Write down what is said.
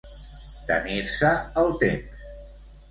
Tenir-se el temps.